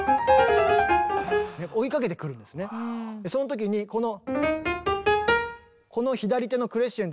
その時にこの。